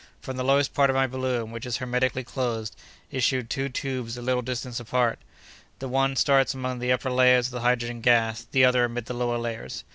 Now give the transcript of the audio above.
From the lowest part of my balloon, which is hermetically closed, issue two tubes a little distance apart. The one starts among the upper layers of the hydrogen gas, the other amid the lower layers.